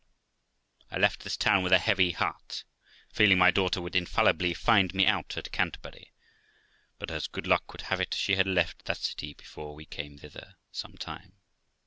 I left this town with a heavy heart, feeling my daughter would infallibly find me out at Canterbury; but, as good luck would have it, she had left that city before we came thither, some time.